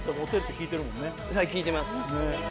はい聞いてます